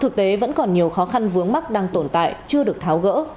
các vướng mắc đang tồn tại chưa được tháo gỡ